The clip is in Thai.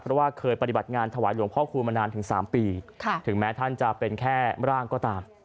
เพราะว่าเคยปฏิบัติงานถวายหลวงพ่อคูณมานานถึง๓ปีถึงแม้ท่านจะเป็นแค่ร่างก็ตาม